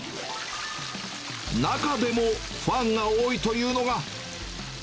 中でもファンが多いというのが。